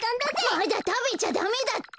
まだたべちゃだめだって！